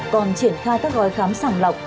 còn triển khai các gói khám sẳng lọc